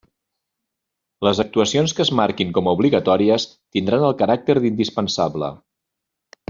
Les actuacions que es marquin com a obligatòries, tindran el caràcter d'indispensable.